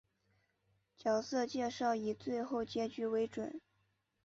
角色介绍以最后结局为准。